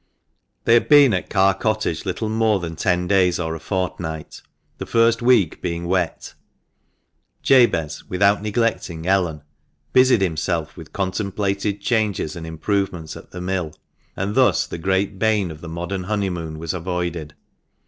413 They had been at Carr Cottage little more than ten days or a fortnight, the first week being wet ; Jabez, without neglecting Ellen, busied himself with contemplated changes and improvements at the mill, and thus the great bane of the modern honeymoon was avoided.